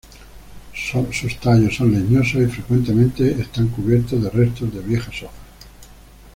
Sus tallos son leñosos y frecuentemente cubiertos de restos de viejas hojas.